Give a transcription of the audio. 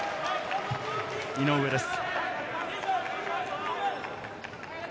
井上です。